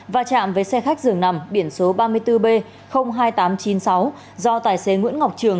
và chạm với xe khách dường nằm biển số ba mươi bốn b hai nghìn tám trăm chín mươi sáu do tài xế nguyễn ngọc trường